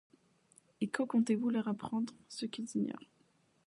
Et quand comptez-vous leur apprendre ce qu’ils ignorent ?